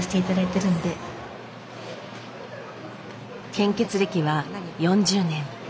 献血歴は４０年。